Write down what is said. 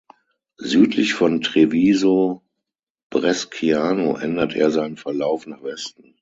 Südlich von Treviso Bresciano ändert er seinen Verlauf nach Westen.